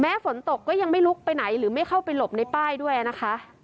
ฝนตกก็ยังไม่ลุกไปไหนหรือไม่เข้าไปหลบในป้ายด้วยนะคะ